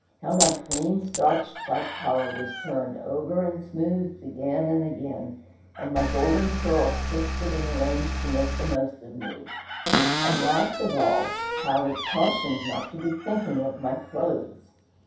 how my clean, starched white collar was turned over and smoothed again and again, and my golden curls twisted and arranged to make the most of me! and, last of all, how I was cautioned not to be thinking of my clothes.